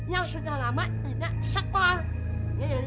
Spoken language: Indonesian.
yang sudah lama tidak sekor